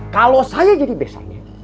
kalau saya jadi besarnya